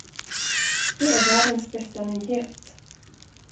Det är världens bästa nyhet!